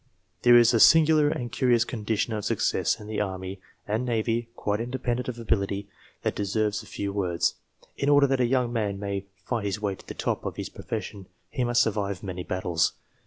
There is a singular and curious condition of success in the army and navy, quite independent of ability, that deserves a few words. In order that a young man may fight his way to the top of his profession, he must survive many battles.